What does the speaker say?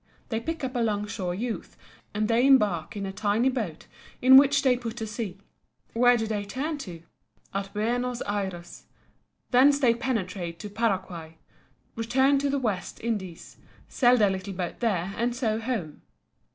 They pick up a long shore youth, and they embark in a tiny boat in which they put to sea. Where do they turn up? At Buenos Ayres. Thence they penetrate to Paraguay, return to the West Indies, sell their little boat there, and so home.